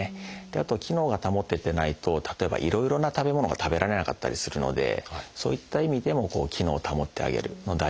あと機能が保ててないと例えばいろいろな食べ物が食べられなかったりするのでそういった意味でも機能を保ってあげるのは大事かと思います。